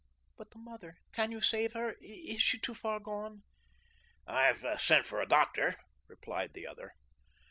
"But the mother, can you save her? Is she too far gone?" "I've sent for a doctor," replied the other.